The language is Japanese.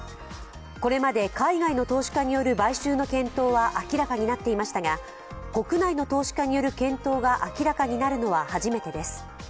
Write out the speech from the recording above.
これまで海外の投資家による買収の検討は明らかになっていましたが、国内の投資家による検討が明らかになるのは初めてです。